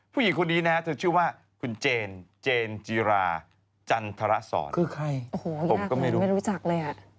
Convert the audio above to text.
ผู้หญิงคนนี้นะเธอชื่อว่าคุณเจนเจนจีราจันทรศรคือใครโอ้โหผมก็ไม่รู้ไม่รู้จักเลยอ่ะ